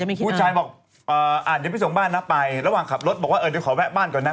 ผู้ชายบอกเดี๋ยวไปส่งบ้านนะไประหว่างขับรถบอกว่าเออเดี๋ยวขอแวะบ้านก่อนนะ